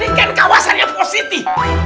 ini kan kawasannya positi